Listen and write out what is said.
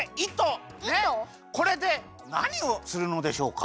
これでなにをするのでしょうか？